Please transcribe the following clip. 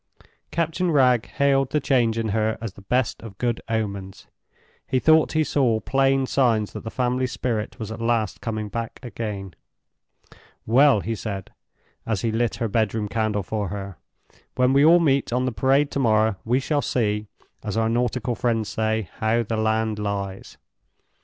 Captain Wragge hailed the change in her as the best of good omens. He thought he saw plain signs that the family spirit was at last coming back again. "Well," he said, as he lit her bedroom candle for her, "when we all meet on the Parade tomorrow, we shall see, as our nautical friends say, how the land lies.